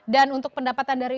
dan untuk pendapatan dari